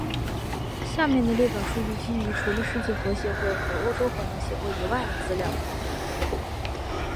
下面的列表数据基于除了世界核协会和欧洲核能协会以外的资料。